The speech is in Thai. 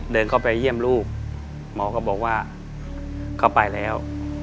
เดินเข้าไปเยี่ยมลูกหมอก็บอกว่าเข้าไปแล้ว